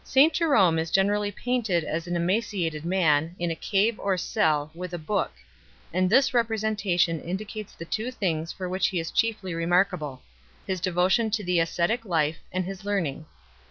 245 St Jerome is generally painted as an emaciated man, in a cave or cell, with a book; and this representation indicates the two things for which he is chiefly remarkable his devotion to the ascetic life and his learning.